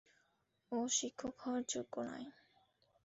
ও শিক্ষক হওয়ার যোগ্য নয়।